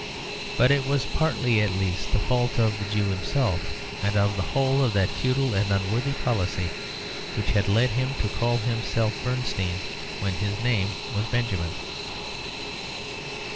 But it was partly at least the fault of the Jew himself, and of the whole of that futile and unworthy policy which had led him to call himself Bernstein when his name was Benjamin.